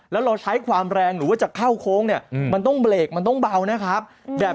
แล้วเราใช้ความแรงหรือว่าจะเข้าโค้งเนี่ยมันต้องเบรกมันต้องเบานะครับ